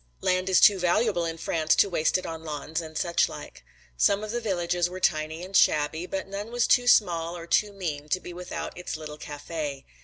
Land is too valuable in France to waste it on lawns and suchlike. Some of the villages were tiny and shabby, but none was too small or too mean to be without its little café.